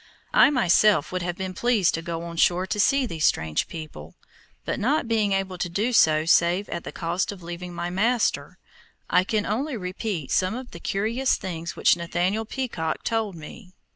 I myself would have been pleased to go on shore and see these strange people, but not being able to do so save at the cost of leaving my master, I can only repeat some of the curious things which Nathaniel Peacock told me.